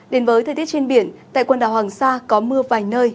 đến với thời tiết trên biển tại quần đảo hoàng sa có mưa vài nơi